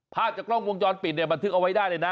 ภาพจากกล้องวงจรปิดเนี่ยบันทึกเอาไว้ได้เลยนะ